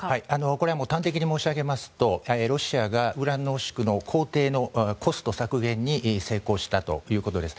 これは端的に申し上げますとロシアがウラン濃縮の工程のコスト削減に成功したということです。